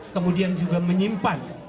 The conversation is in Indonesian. kemudian juga menyimpan